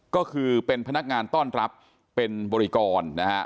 ก็คือเป็นพนักงานต้อนรับเป็นบริกรนะฮะ